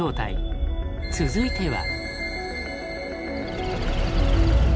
続いては。